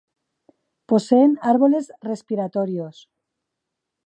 Poseen árboles respiratorios.